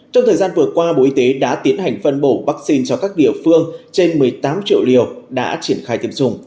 trong thời gian vừa qua bộ y tế đã tiến hành phân bổ vaccine cho các địa phương trên một mươi tám triệu liều đã triển khai tiêm chủng